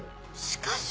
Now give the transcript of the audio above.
しかし。